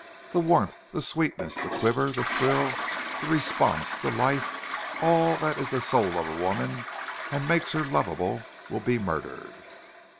The warmth, the sweetness, the quiver, the thrill, the response, the life all that is the soul of a woman and makes her lovable will be murdered."